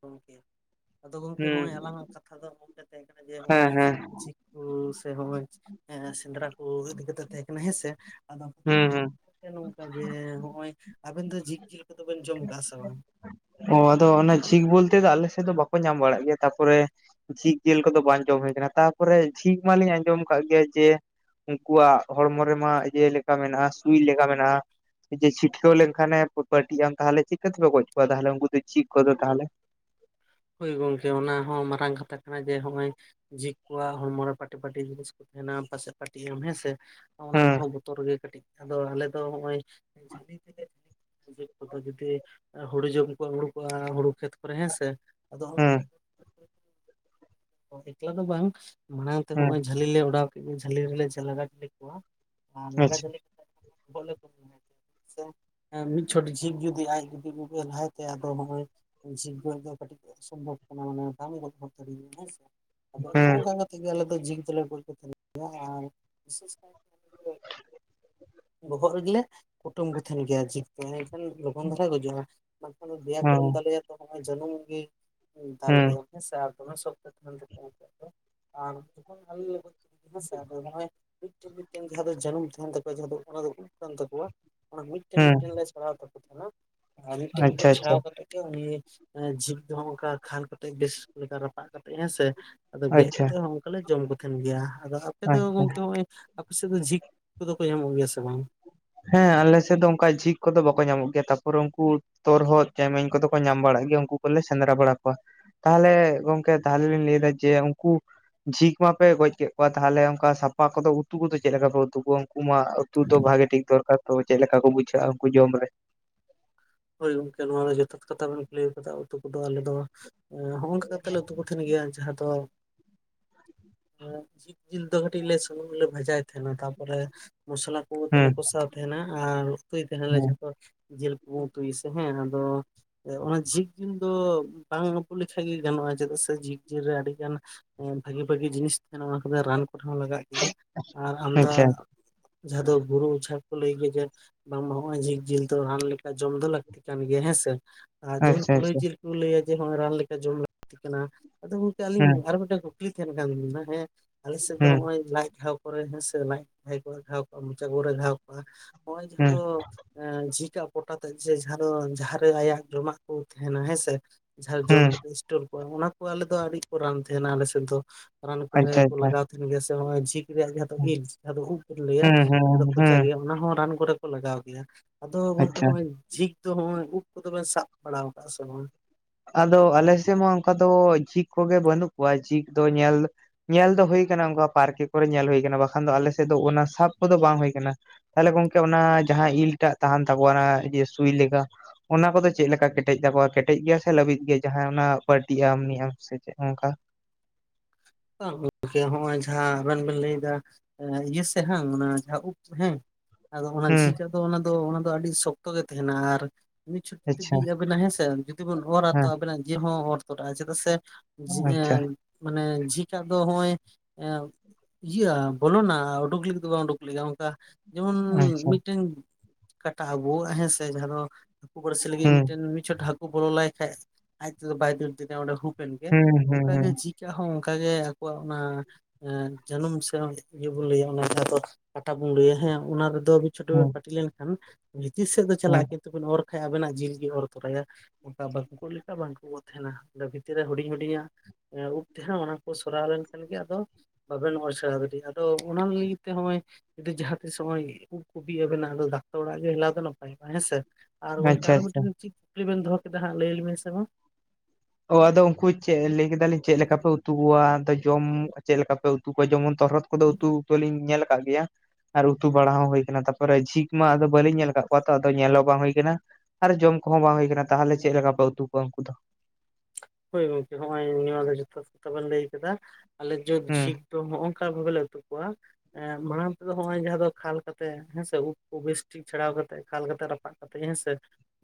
ᱜᱚᱢᱠᱮ ᱟᱫᱚ ᱜᱚᱝᱠᱮ ᱦᱚᱸᱜ-ᱚᱭ ᱦᱩᱸ ᱟᱞᱟᱝᱟᱜ ᱠᱟᱛᱷᱟ ᱫᱚ ᱜᱚᱝᱠᱮ ᱛᱟᱦᱮᱸ ᱠᱟᱱᱟ ᱡᱮ ᱦᱮᱸ ᱱᱚᱜ-ᱚᱭ ᱦᱮᱸ ᱥᱮ ᱦᱚᱸᱜ-ᱚᱭ ᱮᱸ ᱥᱮᱸᱫᱽᱨᱟ ᱠᱚ ᱤᱫᱤ ᱠᱟᱛᱮᱜ ᱛᱟᱦᱮᱸ ᱠᱟᱱᱟ ᱦᱮᱸ ᱥᱮ᱾ ᱟᱫᱚ ᱦᱩᱸ ᱦᱩᱸ ᱱᱚᱝᱠᱟ ᱡᱮ ᱦᱚᱸᱜ-ᱚᱭ ᱟᱵᱮᱱ ᱫᱚ ᱡᱷᱤᱠ ᱡᱤᱞ ᱠᱚᱫᱚ ᱵᱮᱱ ᱡᱚᱢ ᱟᱠᱟᱜ-ᱟ ᱥᱮ ᱵᱟᱝ? ᱚ ᱟᱫᱚ ᱚᱱᱟ ᱡᱷᱤᱠ ᱵᱚᱞᱛᱮ ᱫᱚ ᱟᱞᱮ ᱥᱮᱫ ᱫᱚ ᱵᱟᱠᱚ ᱧᱟᱢ ᱵᱟᱲᱟᱜ ᱜᱮᱭᱟ᱾ᱛᱟᱯᱚᱨᱮ ᱡᱷᱤᱠ ᱡᱮᱹᱞ ᱠᱚᱫᱚ ᱵᱟᱝ ᱡᱚᱢ ᱦᱩᱭ ᱟᱠᱟᱱᱟ᱾ ᱛᱟᱯᱚᱨᱮ ᱡᱷᱤᱠ ᱢᱟᱞᱤᱧ ᱟᱸᱡᱚᱢ ᱟᱠᱟᱫ ᱜᱮ ᱡᱮ ᱩᱱᱠᱩᱣᱟᱜ ᱦᱚᱲᱢᱚ ᱨᱮᱢᱟ ᱤᱭᱟᱹ ᱞᱮᱠᱟ ᱢᱮᱱᱟᱜ-ᱟ ᱥᱩᱭ ᱞᱮᱠᱟ ᱢᱮᱱᱟᱜ-ᱟ᱾ ᱡᱮ ᱪᱷᱤᱴᱠᱟᱹᱣ ᱞᱮᱱᱠᱷᱟᱱᱮ ᱯᱟᱹᱴᱤᱜ-ᱟᱢ, ᱛᱟᱦᱟᱞᱮ ᱪᱤᱠᱟᱹ ᱛᱮᱯᱮ ᱜᱚᱡ ᱠᱚᱣᱟ ᱛᱟᱦᱟᱞᱮ ᱩᱱᱠᱩ ᱫᱚ ᱡᱦᱤᱠ ᱠᱚᱫᱚ ᱛᱟᱦᱟᱞᱮ? ᱦᱳᱭ ᱜᱚᱝᱠᱮ ᱚᱱᱟ ᱦᱚᱸ ᱢᱟᱨᱟᱝ ᱠᱟᱛᱷᱟ ᱠᱟᱱᱟ ᱡᱮ ᱦᱚᱸᱜ-ᱚᱭ ᱡᱷᱤᱠ ᱠᱚᱣᱟᱜ ᱦᱚᱲᱢᱚ ᱨᱮ ᱯᱟᱴᱤ ᱯᱟᱴᱤ ᱡᱤᱱᱤᱥ ᱠᱚ ᱛᱟᱦᱮᱱᱟ ᱯᱟᱥᱮᱫ ᱯᱟᱴᱤᱜ ᱟᱢ ᱦᱮᱸ ᱥᱮ, ᱚᱱᱟ ᱦᱮᱸ ᱠᱚᱦᱚᱸ ᱵᱚᱛᱚᱨ ᱜᱮ ᱠᱟᱹᱴᱤᱡ ᱟᱫᱚ ᱟᱞᱮ ᱫᱚ ᱦᱚᱸᱜ-ᱚᱭ ᱡᱷᱟᱞᱤ ᱛᱮᱞᱮ [inaudible] ᱟᱫᱚ ᱡᱩᱫᱤ ᱦᱩᱲᱳ ᱡᱚᱢ ᱠᱚ ᱩᱲᱩᱠ ᱟ ᱦᱩᱲᱩ ᱠᱷᱮᱛ ᱠᱚᱨᱮ ᱦᱮᱸ ᱥᱮ ᱟᱫᱚ ᱦᱮᱸ [inaudible] ᱮᱠᱞᱟ ᱫᱚ ᱵᱟᱝ ᱢᱟᱲᱟᱝ ᱛᱮ ᱦᱮᱸ ᱦᱚᱸᱜ-ᱚᱭ ᱡᱮ ᱡᱷᱟᱞᱤ ᱞᱮ ᱚᱰᱟᱣ ᱠᱮᱫ ᱜᱮ ᱡᱷᱟᱞᱤ ᱨᱮᱞᱮ ᱡᱦᱟᱞᱟᱜᱟᱴ ᱠᱮᱫ ᱠᱚᱣᱟ, ᱟᱨ ᱞᱟᱜᱟ ᱟᱪᱪᱷᱟ ᱡᱷᱟᱞᱤ ᱠᱟᱛᱮ [inaudible] ᱟᱪᱪᱷᱟ ᱢᱤᱫ ᱪᱷᱚᱴ ᱡᱷᱤᱠ ᱡᱩᱫᱤ ᱟᱡ ᱡᱩᱫᱤ ᱩᱵ ᱞᱟᱞᱦᱟᱭ ᱛᱟᱭᱟ ᱟᱫᱚ ᱡᱷᱤᱠ ᱫᱚ ᱮᱠᱫᱚᱢ ᱠᱟᱴᱤᱡ ᱳᱥᱚᱢᱵᱷᱚᱵ ᱠᱟᱱᱟ ᱢᱟᱱᱮ ᱵᱟᱢ ᱜᱚᱞᱯᱚ ᱫᱟᱲᱮᱭᱟᱜ-ᱟ ᱦᱮᱸ ᱥᱮ᱾ ᱟᱫᱚ ᱱᱚᱜ-ᱚᱭ ᱦᱮᱸ ᱱᱚᱝᱠᱟ ᱠᱟᱛᱮ ᱛᱮᱜᱮ ᱟᱞᱮ ᱫᱚ ᱡᱷᱤᱠ ᱫᱚᱞᱮ ᱜᱚᱡ ᱠᱚ ᱛᱟᱷᱮᱱᱟ᱾ ᱟᱨ ᱵᱤᱥᱮᱥ ᱠᱟᱭ ᱛᱮ [unintelligible] ᱵᱚᱦᱚᱜ ᱨᱮᱜᱮᱞᱮ ᱠᱩᱴᱟᱹᱢ ᱠᱚ ᱛᱟᱷᱮᱱ ᱜᱮᱭᱟ ᱡᱷᱤᱠ ᱫᱚ, ᱛᱟᱦᱟᱞᱮ ᱠᱷᱟᱱ ᱞᱚᱜᱚᱱ ᱫᱷᱟᱨᱟᱭ ᱜᱚᱡᱚᱜ-ᱟ᱾ ᱵᱟᱝᱠᱷᱟᱱ ᱫᱚ ᱫᱮᱭᱟ ᱦᱮᱸ ᱠᱚᱨᱮᱢ ᱫᱟᱞᱮᱭᱟ ᱛᱚ ᱱᱚᱜ-ᱚᱭ ᱡᱟᱱᱩᱢ ᱜᱮ ᱫᱟᱞ ᱛᱟᱭᱟᱢ᱾ ᱦᱮᱸ ᱥᱮ᱾ ᱟᱨ ᱫᱚᱢᱮ ᱥᱚᱠᱛᱚ ᱛᱟᱦᱮᱱ ᱛᱟᱠᱚᱣᱟ ᱩᱱᱠᱩ ᱣᱟᱜ ᱫᱚ᱾ ᱟᱨ ᱡᱚᱠᱦᱚᱱ [unintelligible] ᱦᱮᱸ ᱥᱮ, ᱟᱫᱚ ᱱᱚᱜ-ᱚᱭ ᱢᱤᱫᱴᱷᱮᱱ ᱢᱤᱫᱴᱮᱱ ᱡᱟᱦᱟᱸ ᱫᱚ ᱡᱟᱱᱩᱢ ᱛᱟᱦᱮᱱ ᱛᱟᱠᱚᱣᱟ ᱡᱟᱦᱟᱸ ᱫᱚ ᱚᱱᱟ ᱫᱚ ᱩᱵ ᱠᱟᱱ ᱛᱟᱠᱚᱣᱟ᱾ ᱚᱱᱟ ᱢᱤᱫᱴᱮᱱ ᱦᱮᱸ ᱢᱤᱫᱴᱮᱱ ᱞᱮ ᱪᱷᱟᱲᱟᱣ ᱛᱟᱠᱚ ᱛᱟᱦᱮᱸᱱᱟ ᱟᱨ ᱢᱤᱫᱴᱮᱱ ᱟᱪᱪᱷᱟ ᱢᱤᱫᱴᱮᱱ ᱟᱪᱪᱷᱟ ᱪᱷᱟᱲᱟᱣ ᱠᱟᱛᱮᱫ ᱡᱷᱤᱠ ᱫᱚ ᱦᱟᱸᱜ ᱚᱝᱠᱟ ᱠᱷᱟᱞ ᱠᱟᱛᱮᱜ ᱵᱮᱥ ᱞᱮᱠᱟ ᱨᱟᱯᱟᱜ ᱠᱟᱛᱮᱜ ᱦᱮᱸᱥᱮ, ᱟᱫᱚ ᱜᱮᱜ ᱟᱪᱪᱷᱟ ᱠᱟᱛᱮᱜ ᱦᱚᱸ ᱚᱝᱠᱟᱞᱮ ᱡᱚᱢ ᱠᱚ ᱛᱟᱦᱮᱱ ᱜᱮᱭᱟ ᱟᱫᱚ ᱟᱯᱮ ᱫᱚ ᱟᱪᱪᱷᱟ ᱜᱚᱝᱠᱮ ᱦᱚᱸᱜ-ᱚᱭ ᱟᱯᱮ ᱥᱮᱫ ᱫᱚ ᱡᱷᱤᱠ ᱠᱚᱫᱚ ᱠᱚ ᱧᱟᱢᱚᱜ ᱜᱮᱭᱟ ᱥᱮ ᱵᱟᱝ? ᱦᱮᱸ ᱟᱞᱮ ᱥᱮᱫ ᱫᱚ ᱚᱝᱠᱟ ᱡᱷᱤᱠ ᱠᱚᱫᱚ ᱵᱟᱠᱚ ᱧᱟᱢᱚᱜ ᱜᱮᱭᱟ ᱛᱟᱯᱚᱨᱮ ᱩᱝᱠᱩ ᱛᱚᱨᱦᱚᱫ ᱪᱮᱢᱮᱧ ᱠᱚᱫᱚ ᱠᱚ ᱧᱟᱢ ᱵᱟᱲᱟᱜ ᱜᱮᱭᱟ ᱩᱝᱠᱩ ᱠᱚᱞᱮ ᱥᱮᱸᱫᱽᱨᱟ ᱵᱟᱲᱟ ᱠᱚᱣᱟ᱾ ᱛᱟᱦᱟᱞᱮ ᱜᱚᱝᱠᱮ ᱛᱟᱦᱟᱞᱮ ᱞᱤᱧ ᱞᱟᱹᱭ ᱫᱟ ᱡᱮ ᱩᱝᱠᱩ ᱡᱷᱤᱠ ᱢᱟᱯᱮ ᱜᱚᱡ ᱠᱮᱫ ᱠᱚᱣᱟ ᱛᱟᱦᱟᱞᱮ ᱚᱝᱠᱟ ᱥᱟᱯᱟ ᱠᱚᱫᱚ ᱩᱛᱩ ᱠᱚᱫᱚ ᱪᱮᱫ ᱞᱮᱠᱟ ᱯᱮ ᱩᱛᱩ ᱠᱚᱣᱟ ᱩᱝᱠᱩ ᱢᱟ ᱩᱛᱩ ᱫᱚ ᱵᱷᱟᱜᱮ ᱴᱷᱤᱠ ᱫᱚᱨᱠᱟᱨ ᱛᱚ ᱪᱮᱫ ᱞᱮᱠᱟ ᱠᱚ ᱵᱩᱡᱷᱟᱹᱜᱼᱟ ᱩᱝᱠᱩ ᱡᱚᱢ ᱨᱮ? ᱦᱳᱭ ᱜᱚᱝᱠᱮ ᱱᱚᱣᱟ ᱫᱚ ᱡᱚᱛᱷᱟᱛ ᱠᱟᱛᱷᱟ ᱵᱮᱱ ᱠᱩᱞᱤᱭᱟ ᱠᱟᱫᱟ ᱩᱛᱩ ᱠᱚᱫᱚ ᱟᱞᱮ ᱫᱚ ᱦᱚᱸᱜᱼᱚᱝᱠᱟ ᱠᱟᱛᱮᱜ ᱞᱮ ᱩᱛᱩ ᱠᱚ ᱛᱷᱮᱱ ᱜᱮᱭᱟ ᱡᱟᱦᱟᱸ ᱫᱚ ᱡᱦᱤᱠ ᱡᱤᱞ ᱫᱚ ᱠᱟᱹᱴᱤᱡ ᱞᱮ ᱥᱩᱱᱩᱢ ᱨᱮᱞᱮ ᱵᱷᱟᱡᱟᱭ ᱛᱟᱦᱮᱱᱟ ᱛᱟᱯᱚᱨᱮ ᱢᱚᱥᱞᱟ ᱛᱩᱩ ᱟᱛᱮᱞᱮ ᱦᱩᱸ ᱠᱚᱥᱟᱣ ᱛᱟᱦᱮᱱᱟ ᱟᱨ ᱩᱛᱩᱭ ᱛᱟᱦᱮᱱᱟᱞᱮ ᱡᱷᱚᱛᱚ ᱡᱤᱞ ᱠᱚ ᱠᱚ ᱩᱛᱩᱭᱟᱥᱮ ᱦᱮᱸ ᱟᱫᱚ ᱚᱱᱟ ᱡᱷᱤᱠ ᱡᱤᱞ ᱫᱚ ᱵᱟᱝ ᱟᱹᱵᱩᱜ ᱞᱮᱠᱷᱟᱡ ᱜᱮ ᱜᱟᱱᱚᱜᱼᱟ ᱪᱮᱫᱟᱜ ᱥᱮ ᱡᱷᱤᱠᱼᱡᱤᱞ ᱨᱮ ᱟᱹᱰᱤ ᱜᱟᱱ ᱵᱷᱟᱜᱤ ᱵᱷᱟᱜᱤ ᱡᱤᱱᱤᱥ ᱛᱟᱦᱮᱱᱟ ᱚᱱᱟ ᱠᱚᱫᱚ ᱨᱟᱱ ᱠᱚᱨᱮ ᱦᱚᱸ ᱞᱟᱜᱟᱜ ᱜᱮᱭᱟ ᱟᱨ ᱟᱢᱫᱟ ᱟᱪᱪᱷᱟ ᱡᱟᱦᱟᱸ ᱫᱚ ᱵᱩᱨᱩ ᱚᱡᱷᱟ ᱠᱚ ᱞᱟᱹᱭ ᱜᱚᱡᱟ ᱵᱟᱝ ᱢᱟ ᱦᱚᱸᱜ ᱚᱭ ᱡᱷᱤᱠ ᱡᱤᱞ ᱫᱚ ᱨᱟᱱ ᱞᱟᱹᱜ ᱡᱚᱢ ᱫᱚ ᱞᱟᱹᱠᱛᱤ ᱠᱟᱱ ᱜᱮᱭᱟ ᱦᱮᱸᱥᱮ ᱟᱨ ᱡᱮᱢᱚᱱ ᱟᱪᱪᱷᱟ ᱠᱩᱞᱟᱹᱭ ᱟᱪᱪᱷᱟ ᱡᱤᱞ ᱞᱟᱹᱭᱟ ᱡᱮ ᱦᱚᱸᱜ-ᱟ ᱨᱟᱱ ᱞᱮᱠᱟ ᱡᱚᱢ ᱞᱟᱹᱠᱛᱤ ᱠᱟᱱᱟ ᱟᱫᱚ ᱜᱚᱝᱠᱮ ᱦᱩᱸ ᱟᱹᱞᱤᱧ ᱟᱨ ᱢᱤᱫᱴᱟᱝ ᱠᱩᱠ ᱠᱩᱠᱞᱤ ᱛᱟᱦᱮᱱ ᱠᱟᱱ ᱛᱟᱞᱤᱧᱟ ᱦᱮᱸ ᱟᱞᱮ ᱥᱮᱫ ᱫᱚ ᱦᱩᱸ ᱱᱚᱜ-ᱚᱭ ᱞᱟᱡ ᱜᱷᱟᱣ ᱠᱚᱨᱮ ᱦᱮᱸᱥᱮ ᱞᱟᱡ ᱠᱚᱨᱮ ᱜᱷᱟᱣ ᱠᱚᱜᱼᱟ ᱢᱚᱪᱟ ᱠᱚᱨᱮ ᱜᱷᱟᱣ ᱠᱚᱜᱼᱟ ᱱᱚᱜ-ᱚᱭ ᱡᱟᱦᱟᱸ ᱦᱩᱸ ᱫᱚ ᱡᱷᱤᱠ-ᱟᱜ ᱯᱚᱴᱟᱛᱮᱜ ᱡᱮ ᱡᱟᱦᱟᱸ ᱫᱚ ᱡᱟᱦᱟᱸᱨᱮ ᱟᱭᱟᱜ ᱡᱚᱢᱟᱜ ᱠᱚ ᱛᱟᱦᱮᱱᱟ ᱦᱮᱸᱥᱮ ᱡᱟᱦᱟᱸ ᱡᱚᱢ ᱦᱩᱸ ᱠᱟᱛᱮᱜ ᱥᱴᱳᱨ ᱠᱚᱜᱣᱟ ᱚᱱᱟ ᱠᱚ ᱟᱞᱮ ᱫᱚ ᱟᱹᱰᱤ ᱠᱚ ᱨᱟᱱ ᱛᱟᱦᱮᱱᱟ ᱟᱞᱮ ᱥᱮᱫ ᱫᱚ᱾ ᱨᱟᱱ ᱠᱚᱨᱮ ᱟᱪᱪᱷᱟ ᱠᱚ ᱟᱪᱪᱷᱟ ᱞᱟᱜᱟᱣ ᱛᱟᱦᱮᱱ ᱜᱮᱭᱟ ᱥᱮ ᱱᱚᱸᱜ ᱚᱭ ᱡᱷᱤᱠ ᱨᱮᱭᱟᱜ ᱡᱟᱦᱟᱸ ᱫᱚ ᱤᱞ ᱡᱟᱦᱟᱸ ᱩᱵ ᱠᱚ ᱞᱟᱹᱭᱟ ᱦᱩᱸ ᱡᱟᱦᱟᱸ ᱫᱚ ᱦᱩᱸ ᱠᱷᱚᱪᱟ ᱦᱩᱸ ᱜᱮᱭᱟ ᱚᱱᱟ ᱦᱚᱸ ᱨᱟᱱ ᱠᱚᱨᱮ ᱠᱚ ᱞᱟᱜᱟᱣ ᱜᱮᱭᱟ ᱟᱫᱚ ᱟᱪᱪᱷᱟ ᱦᱚᱸᱜ-ᱚᱭ ᱡᱷᱤᱠ ᱫᱚ ᱦᱚᱸᱜ-ᱚᱭ ᱩᱵ ᱠᱚᱫᱚ ᱯᱮ ᱥᱟᱵ ᱵᱟᱲᱟᱣ ᱠᱟᱜᱼᱟ ᱥᱮ ᱵᱟᱝ? ᱟᱫᱚ ᱟᱞᱮ ᱥᱮᱜ ᱢᱟ ᱚᱝᱠᱟ ᱫᱚ ᱡᱷᱤᱠ ᱠᱚᱜᱮ ᱵᱟᱹᱱᱩᱜ ᱠᱚᱣᱟ ᱡᱷᱤᱠ ᱫᱚ ᱧᱮᱞ ᱧᱮᱞ ᱫᱚ ᱦᱩᱭ ᱠᱟᱱᱟ ᱚᱝᱠᱟ ᱯᱟᱨᱠᱮ ᱠᱚᱨᱮ ᱧᱮᱞ ᱦᱩᱭ ᱠᱟᱱᱟ ᱵᱟᱠᱷᱟᱱ ᱫᱚ ᱟᱞᱮ ᱥᱮᱫ ᱫᱚ ᱚᱱᱟ ᱥᱟᱵ ᱠᱚᱫᱚ ᱵᱟᱝ ᱦᱩᱭ ᱠᱟᱱᱟ ᱾ ᱛᱟᱦᱟᱞᱮ ᱜᱚᱝᱠᱮ ᱚᱱᱟ ᱡᱟᱦᱟᱸᱭ ᱤᱞᱴᱟᱜ ᱛᱟᱦᱮᱱ ᱛᱟᱠᱚᱣᱟ ᱚᱱᱟ ᱡᱮ ᱥᱩᱭ ᱞᱮᱠᱟ ᱚᱱᱟ ᱠᱚᱫᱚ ᱪᱮᱫ ᱞᱮᱠᱟ ᱠᱮᱴᱮᱡ ᱛᱟᱠᱚᱣᱟ ᱠᱮᱴᱮᱡ ᱜᱮᱭᱟ ᱥᱮ ᱞᱟᱹᱵᱤᱫ ᱜᱮᱭᱟ ᱡᱟᱦᱟᱸ ᱚᱱᱟ ᱯᱟᱨᱥᱤ ᱟᱢ ᱤᱭᱟᱹᱟᱢ ᱥᱮ ᱪᱚᱫ ᱚᱝᱠᱟ? ᱵᱟᱜ ᱜᱚᱝᱠᱮ ᱦᱚᱸᱜᱼᱚᱭ ᱡᱟᱦᱟᱸ ᱟᱵᱮᱱ ᱵᱮᱱ ᱞᱟᱹᱭᱫᱟ ᱤᱟᱹ ᱥᱮᱜ ᱦᱟᱸ ᱢᱟᱱᱮ ᱡᱟᱦᱟᱸ ᱩᱵ ᱦᱮᱸ ᱟᱫᱚ ᱚᱱᱟ ᱦᱩᱸ ᱡᱷᱤᱠ-ᱟᱜ ᱫᱚ ᱚᱱᱟ ᱫᱚ ᱚᱱᱟ ᱫᱚ ᱟᱹᱰᱤ ᱥᱚᱠᱛᱚ ᱜᱮ ᱛᱟᱦᱮᱱᱟ ᱟᱨ ᱢᱤᱜ ᱪᱷᱩᱴᱛᱤ ᱟᱪᱪᱷᱟ ᱵᱤᱜ ᱟᱵᱤᱱᱟ ᱦᱮᱸᱥᱮ ᱡᱩᱫᱤ ᱵᱚᱱ ᱚᱨᱟ ᱛᱚ ᱦᱮᱸ ᱟᱵᱤᱱᱟᱜ ᱡᱤᱞ ᱦᱚᱸ ᱚᱨ ᱛᱚᱨᱟᱜᱼᱟ ᱪᱮᱫᱟᱜ ᱥᱮ ᱡᱷᱤ ᱟᱪᱪᱷᱟ ᱮᱸ ᱢᱟᱱᱮ ᱡᱷᱤᱠ ᱴᱟᱜ ᱫᱚ ᱱᱚᱜᱼᱚᱭ ᱮ ᱤᱭᱟᱹᱜᱼᱟ ᱵᱚᱞᱚᱱᱟ ᱩᱰᱩᱜᱽ ᱞᱟᱹᱜᱤᱜ ᱫᱚ ᱵᱟᱝ ᱩᱰᱩᱜᱽ ᱞᱟᱹᱜᱤᱜᱼᱟ ᱚᱝᱠᱟ ᱡᱮᱢᱚᱱ ᱟᱪᱪᱷᱟ ᱢᱤᱫᱴᱮᱱ ᱠᱟᱴᱟ ᱟᱵᱩᱣᱟᱜᱼᱟ ᱦᱮᱸᱥᱮ ᱡᱟᱦᱟᱸ ᱫᱚ ᱦᱟᱹᱠᱩ ᱵᱟᱹᱲᱥᱤ ᱞᱟᱹᱜᱤᱱ ᱦᱩᱸ ᱢᱤᱫᱴᱮᱱ ᱢᱤᱫᱪᱷᱚᱴ ᱦᱟᱹᱠᱩ ᱵᱚᱞᱚ ᱞᱟᱭ ᱠᱷᱟᱡ ᱟᱡ ᱛᱮᱫᱚ ᱵᱟᱭ ᱫᱟᱹᱲ ᱫᱟᱲᱮᱭᱟᱜ- ᱟᱭ ᱚᱸᱰᱮ ᱦᱩᱠ ᱯᱮᱱ ᱜᱮ ᱦᱩᱸ ᱦᱩᱸ ᱚᱝᱠᱟᱜᱮ ᱦᱩᱸ ᱡᱤᱠ-ᱟᱜ ᱦᱚᱸ ᱚᱝᱠᱟᱜᱮ ᱟᱠᱚᱣᱟᱜ ᱚᱱᱟ ᱮᱸ ᱡᱟᱹᱱᱩᱢ ᱥᱮ ᱤᱭᱟᱹ ᱵᱚᱱ ᱞᱟᱹᱭᱟ ᱚᱱᱟ ᱫᱚ ᱠᱟᱴᱟ ᱵᱚᱱ ᱞᱟᱹᱭᱟ ᱦᱮᱸ ᱚᱱᱟ ᱨᱮᱫᱚ ᱪᱷᱳᱴᱳ ᱵᱮᱱ ᱦᱩᱸ ᱯᱟᱹᱴᱤ ᱞᱮᱱᱠᱷᱟᱱ ᱵᱷᱤᱛᱤᱨ ᱥᱮᱫ ᱫᱚ ᱦᱩᱸ ᱪᱟᱞᱟᱜᱼᱟ ᱠᱤᱱᱛᱩ ᱵᱤᱱ ᱚᱨ ᱠᱷᱟᱡ ᱟᱵᱮᱱᱟᱜ ᱡᱤᱞ ᱜᱮ ᱚᱨ ᱛᱚᱨᱟᱭᱟ ᱚᱝᱠᱟ ᱵᱟᱠᱩ ᱜᱚᱜ ᱞᱮᱠᱷᱟᱡ ᱵᱟᱝᱠᱩᱜ ᱠᱚ ᱛᱟᱦᱮᱱᱟ ᱚᱸᱰᱮ ᱵᱷᱤᱛᱤᱨ ᱨᱮ ᱦᱩᱰᱤᱧ ᱦᱩᱰᱤᱧᱟᱜ ᱩᱵ ᱛᱟᱦᱮᱱᱟ ᱚᱱᱟ ᱠᱚ ᱥᱚᱨᱟᱣ ᱞᱮᱱᱠᱷᱟᱱ ᱜᱮ ᱟᱫᱚ ᱵᱟᱵᱮᱱ ᱚᱨ ᱪᱷᱟᱲᱟᱣ ᱫᱟᱲᱮᱭᱟᱜᱼᱟ ᱟᱫᱚ ᱚᱱᱟ ᱞᱟᱹᱜᱤᱫ ᱛᱮ ᱱᱚᱸᱜ ᱚᱭ ᱡᱩᱫᱤ ᱡᱟᱦᱟᱸ ᱛᱤᱥ ᱦᱚᱜᱼᱚᱭ ᱩᱵ ᱠᱚ ᱵᱤᱜ-ᱟ ᱵᱤᱱᱟ ᱟᱫᱚ ᱰᱟᱠᱛᱟᱨ ᱚᱲᱟᱜ ᱜᱮ ᱦᱮᱞᱟᱣ ᱫᱚ ᱱᱟᱯᱟᱭᱚᱜ ᱦᱮᱸᱥᱮ ᱾ ᱟᱨ ᱜᱚᱝᱠᱮ ᱟᱪᱪᱷᱟ ᱟᱨᱚ ᱟᱪᱪᱷᱟ ᱢᱤᱫᱴᱮᱱ ᱪᱮᱜ ᱠᱩᱠᱞᱤ ᱵᱮᱱ ᱫᱚᱦᱚ ᱠᱮᱫᱟ ᱦᱟᱸᱜ ᱞᱟᱹᱭ ᱞᱮᱵᱤᱱ ᱥᱮ ᱢᱟ ᱚ ᱟᱫᱚ ᱩᱱᱠᱩ ᱪᱮᱜ ᱞᱟᱹᱭ ᱠᱮᱫᱟ ᱞᱤᱧ ᱪᱮᱫ ᱞᱮᱠᱟᱯᱮ ᱩᱛᱩ ᱠᱚᱣᱟ ᱟᱫᱚ ᱡᱚᱢ ᱪᱮᱜ ᱞᱮᱠᱟᱯᱮ ᱩᱛᱩ ᱠᱚᱣᱟ ᱡᱮᱢᱚᱱ ᱛᱚᱨᱦᱚᱫᱽ ᱠᱚᱫᱚ ᱩᱛᱩ ᱩᱛᱩ ᱞᱤᱧ ᱧᱮᱞ ᱠᱟᱜ ᱜᱮᱭᱟ ᱾ ᱟᱨ ᱩᱛᱩ ᱵᱟᱲᱟ ᱦᱚᱸ ᱦᱩᱭ ᱠᱟᱱᱟ ᱛᱟᱨᱴᱯᱚᱨᱮ ᱡᱷᱤᱠ ᱢᱟ ᱟᱫᱚ ᱵᱟᱹᱞᱤᱧ ᱧᱮᱞ ᱠᱟᱜ ᱠᱚᱣᱟ ᱛᱚ ᱟᱫᱚ ᱧᱮᱞᱚ ᱦᱚᱸ ᱵᱟᱝ ᱦᱩᱭ ᱠᱟᱱᱟ ᱟᱨ ᱡᱚᱢ ᱠᱚᱦᱚᱸ ᱵᱟᱝ ᱦᱩᱭ ᱠᱟᱱᱟ ᱛᱟᱦᱚᱞᱮ ᱪᱮᱫ ᱞᱮᱠᱟ ᱞᱮ ᱩᱛᱩ ᱠᱚᱣᱟ ᱩᱝᱠᱩ ᱫᱚ? ᱦᱳᱭ ᱜᱚᱝᱠᱮ ᱦᱚᱸᱜ ᱚᱭ ᱱᱮᱣᱟ ᱜᱚ ᱡᱚᱛᱷᱟᱛᱷ ᱠᱟᱛᱷᱟ ᱵᱮᱱ ᱞᱟᱹᱭ ᱠᱟᱫᱟ ᱟᱞᱮ ᱡᱮ ᱦᱩᱸ ᱡᱷᱤᱠ ᱛᱚ ᱦᱚᱜᱼᱚ ᱱᱚᱝᱠᱟ ᱵᱷᱟᱵᱮ ᱞᱮ ᱩᱛᱩ ᱠᱚᱣᱟ ᱾ ᱮᱸᱜ ᱢᱟᱲᱟᱝ ᱛᱮᱫᱚ ᱦᱚᱜᱼᱚᱭ ᱡᱟᱦᱟᱸ ᱫᱚ ᱠᱷᱟᱞ ᱠᱟᱛᱮᱜ ᱦᱮᱸ ᱥᱮ ᱩᱵ ᱠᱚ ᱵᱮᱥ ᱴᱷᱤᱠ ᱪᱷᱟᱲᱟᱣ ᱠᱟᱛᱮᱜ ᱠᱷᱟᱞ ᱠᱟᱛᱮᱜ ᱨᱟᱯᱟᱜ ᱠᱟᱛᱮᱡ ᱦᱮᱸᱥᱮ,